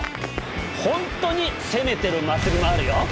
本当に攻めてる祭りもあるよ。